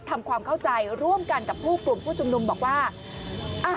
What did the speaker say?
ทำความเข้าใจร่วมกันกับผู้กลุ่มผู้ชุมนุมบอกว่าอ่ะ